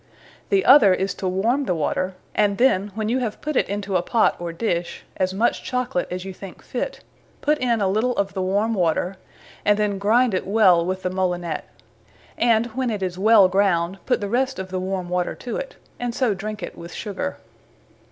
The other is to warme the water; and then, when you have put it into a pot, or dish, as much Chocolate as you thinke fit, put in a little of the warme water, and then grinde it well with the molinet; and when it is well ground, put the rest of the warme water to it; and so drinke it with Sugar.